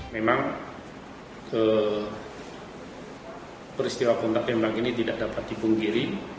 memang peristiwa kontak tembak ini tidak dapat dipungkiri